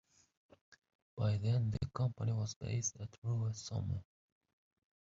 By then the company was based at Rue, Somme.